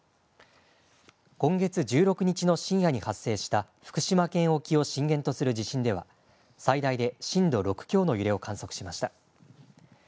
今月１６日の深夜に発生した、福島県沖を震源とする地震では、最大で震度６強の揺れを観測しました。